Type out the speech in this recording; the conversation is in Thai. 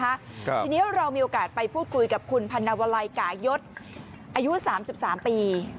ทีนี้เรามีโอกาสไปพูดคุยกับคุณพันวลัยกายศอายุสามสิบสามปี